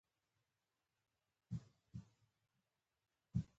• نوي ټولنیز طبقات راښکاره شول.